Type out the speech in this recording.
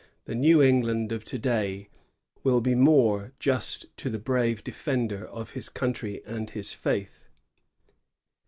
The New England of to day will be more just to the braye defender of his country and his faith.